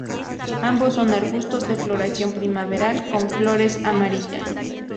Ambos son arbustos de floración primaveral, con flores amarillas.